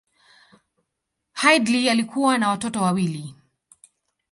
Headlee alikuwa na watoto wawili.